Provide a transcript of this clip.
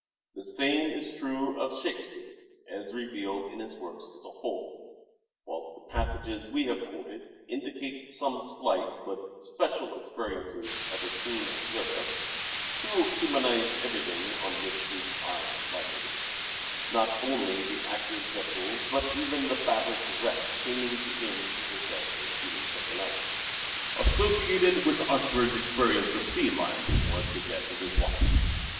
The same is true of " Shakespeare " as revealed in his works as a whole, whilst the passages we have quoted indicate some slight but special experiences of a keen observer, who humanized everything on which his eye alighted ; not only the active vessels but even the battered wrecks seeming to him to possess a human personality. Associated with Oxford's experience of sea life Death of was the death of his wife.